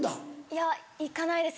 いや行かないです